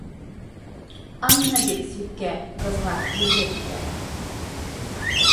Анна бит, свиткә, газға, емгә китә.